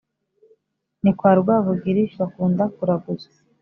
ni kwa rwabugiri bakunda kuraguza